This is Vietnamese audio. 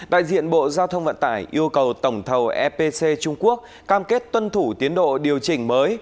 đại diện bộ giao thông vận tải yêu cầu tổng thầu epc trung quốc cam kết tuân thủ tiến độ điều chỉnh mới